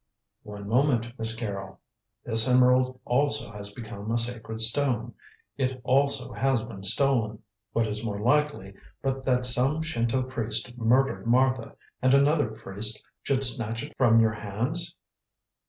"One moment, Miss Carrol. This emerald also has become a sacred stone; it also has been stolen. What is more likely but that some Shinto priest murdered Martha and another priest should snatch it from your hands?"